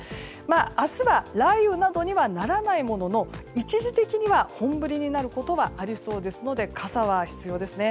明日は雷雨などにはならないものの一時的には本降りになることはありそうですので傘は必要ですね。